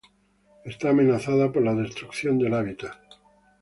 Está amenazada por la destrucción del hábitat.